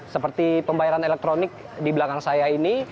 seperti pembayaran elektronik di belakang saya ini